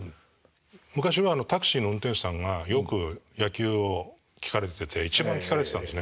昔はタクシーの運転手さんがよく野球を聞かれてて一番聞かれてたんですね。